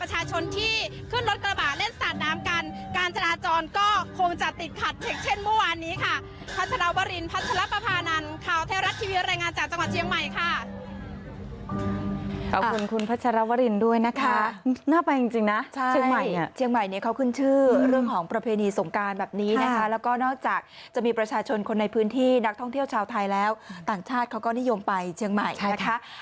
ใหม่ค่ะขอบคุณคุณพัชรวรินด้วยนะคะน่าไปจริงจริงนะใช่เชียงใหม่อ่ะเชียงใหม่เนี้ยเขาขึ้นชื่อเรื่องของประเพณีสงการแบบนี้นะคะแล้วก็นอกจากจะมีประชาชนคนในพื้นที่นักท่องเที่ยวชาวไทยแล้วต่างชาติเขาก็นิยมไปเชียงใหม่ใช่ค่ะ